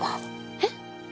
えっ？